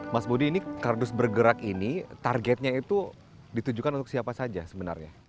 mas budi ini kardus bergerak ini targetnya itu ditujukan untuk siapa saja sebenarnya